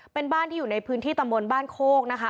เป็นบ้านที่อยู่ในพื้นที่ตำบลบ้านโคกนะคะ